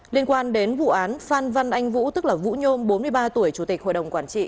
liên quan đến vụ án phan văn anh vũ tức là vũ nhôm bốn mươi ba tuổi chủ tịch hội đồng quản trị